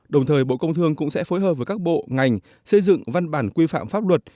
đồng thời bộ công thương cũng sẽ phối hợp với các bộ ngành xây dựng văn bản quy phạm pháp luật